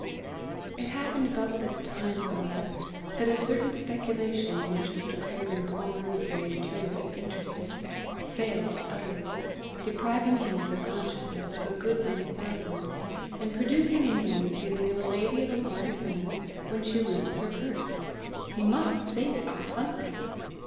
It happened about this time, however, that a certain speculation in which Mr. Peregrine Palmer was very materially interested, failed utterly, depriving him of the consciousness of a good many thousands, and producing in him the feeling of a lady of moderate means when she loses her purse: he must save it off something!